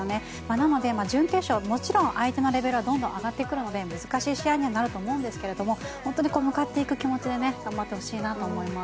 なので、準決勝もちろん相手のレベルはどんどん上がってくるので難しい試合にはなると思うんですけど本当に向かっていく気持ちで頑張ってほしいなと思います。